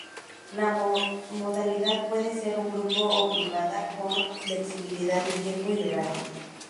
La modalidad puede ser en grupo o privada, con flexibilidad de tiempo y horario.